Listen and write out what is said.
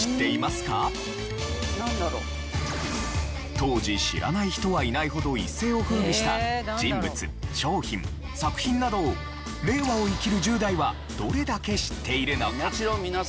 当時知らない人はいないほど一世を風靡した人物商品作品などを令和を生きる１０代はどれだけ知っているのか？